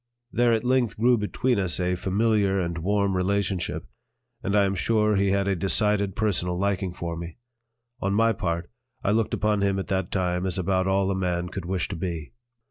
There at length grew between us a familiar and warm relationship, and I am sure he had a decided personal liking for me. On my part, I looked upon him at that time as about all a man could wish to be.